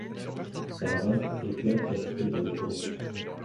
Sa rate éclate lorsqu'il est dans le coma.